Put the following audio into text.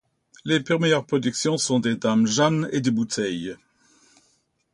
Les premières production sont des dame jeanne et des bouteilles.